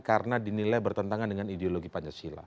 karena dinilai bertentangan dengan ideologi pancasila